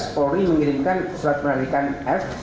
polri mengirimkan surat penarikan f